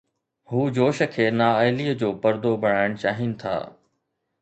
هو جوش کي نااهليءَ جو پردو بڻائڻ چاهين ٿا.